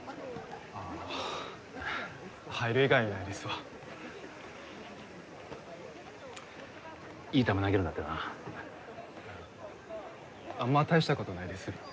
ああ入る以外にないですわいい球投げるんだってなあんま大したことないです